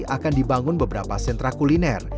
akan dibangun beberapa sentra kuliner